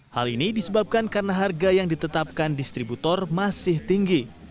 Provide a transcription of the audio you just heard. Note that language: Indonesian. hal ini disebabkan karena harga yang ditetapkan distributor masih tinggi